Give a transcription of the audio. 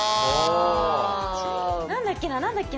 何だっけな？